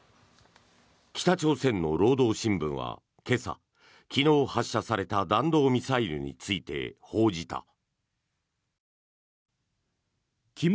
北朝鮮の労働新聞は今朝昨日発射された弾道ミサイルについて報じた。